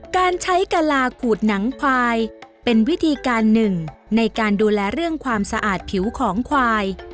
การใช้กะลาขูดหนังควายเป็นวิธีการหนึ่งในการดูแลเรื่องความสะอาดผิวของควาย